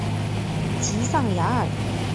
吉藏雅尔。